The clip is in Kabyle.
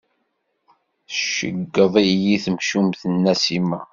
Tceggeḍ-iyi temcucmt n Nasima.